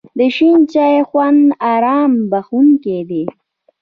د شین چای خوند آرام بښونکی دی.